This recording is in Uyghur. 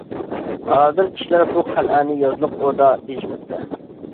ھازىر كىشىلەر بۇ قەلئەنى يازلىق ئوردا، دېيىشمەكتە.